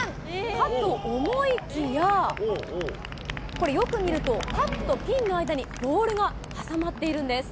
かと思いきや、これ、よく見るとカップとピンの間にボールが挟まっているんです。